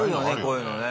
こういうのね。